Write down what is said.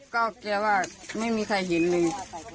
ก็กลัวว่าไม่มีใครเห็นเลย